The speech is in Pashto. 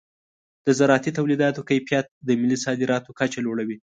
د زراعتي تولیداتو کیفیت د ملي صادراتو کچه لوړوي.